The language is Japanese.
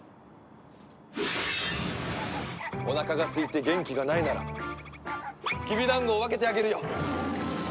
おなかがすいて元気がないならきびだんごを分けてあげるよ。